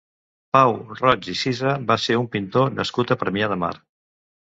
Pau Roig i Cisa va ser un pintor nascut a Premià de Mar.